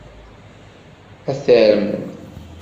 Ad t-armen.